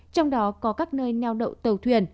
trong đó có các nơi nèo đậu tàu thuyền